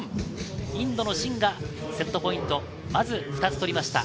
インドのシンがセットポイント、まず２つ取りました。